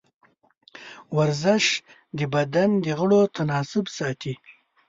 ورزش د بدن د غړو تناسب ساتي.